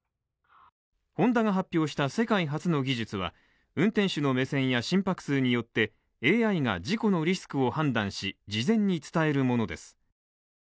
ホンダが発表した世界初の技術は、運転手の目線や心拍数によって、ＡＩが事故のリスクを判断し、事前に伝えるものです。